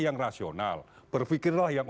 yang rasional berpikirlah yang